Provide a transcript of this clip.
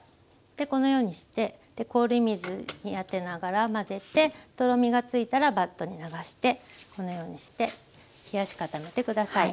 でこのようにして氷水に当てながら混ぜてとろみがついたらバットに流してこのようにして冷やし固めて下さい。